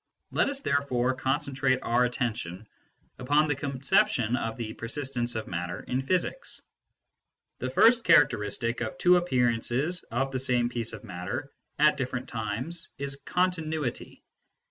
Let us there fore concentrate our attention upon the conception of the persistence of matter in physics. The first characteristic of two appearances of the same piece of matter at different times is continuity.